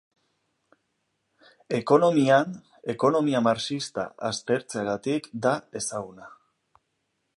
Ekonomian, ekonomia marxista aztertzeagatik da ezaguna.